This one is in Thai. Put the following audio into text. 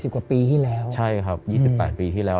กว่าปีที่แล้วใช่ครับ๒๘ปีที่แล้ว